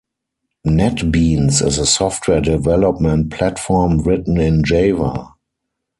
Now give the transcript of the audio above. NetBeans is a software development platform written in Java.